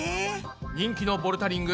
人気のボルダリング。